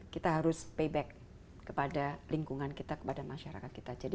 kita harus payback kepada lingkungan kita kepada masyarakat kita